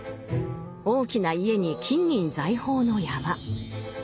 大きな家に金銀財宝の山。